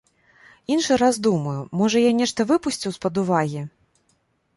Іншы раз думаю, можа, я нешта выпусціў з-пад увагі.